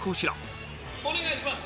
「お願いします」